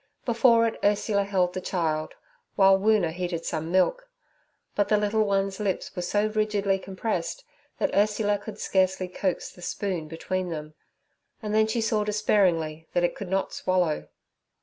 Before it Ursula held the child, while Woona heated some milk; but the little one's lips were so rigidly compressed that Ursula could scarcely coax the spoon between them, and then she saw despairingly that it could not swallow.